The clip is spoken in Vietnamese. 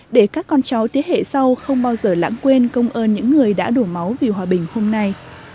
để các con cháu thế hệ sau không bao giờ lãng quên công ơn những người đã đổ máu vì hòa bình hôm nay